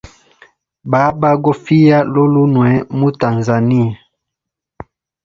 Baba gofiya lolulunwe mu tanzania.